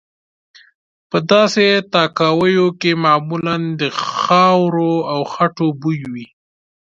په داسې تاکاویو کې معمولا د خاورو او خټو بوی وي.